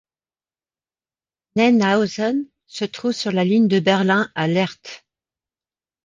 Nennhausen se trouve sur la ligne de Berlin à Lehrte.